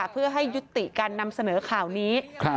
เพื่อให้ยุติการนำเสนอข่าวนี้